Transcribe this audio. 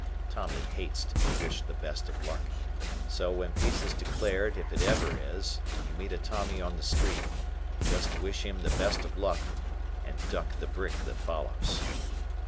Tommy hates to be wished the best of luck; so, when peace is declared, if it ever is, and you meet a Tommy on the street, just wish him the best of luck and duck the brick that follows.